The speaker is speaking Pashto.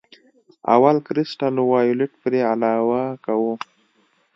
اول کرسټل وایولېټ پرې علاوه کوو.